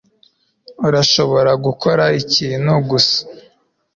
urashobora gukora ikintu gusa